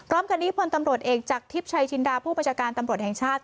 พร้อมกันนี้พลตำรวจเอกจากทิพย์ชัยจินดาผู้ประชาการตำรวจแห่งชาติ